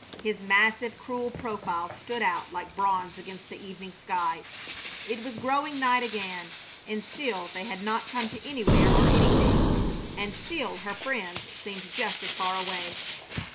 His massive, cruel profile stood out like bronze against the evening sky. It was growing night again, and still they had not come to anywhere or anything, and still her friends seemed just as far away.